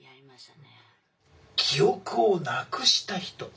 記憶をなくした人。